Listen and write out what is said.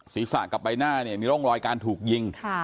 ศีรษะกับใบหน้าเนี่ยมีร่องรอยการถูกยิง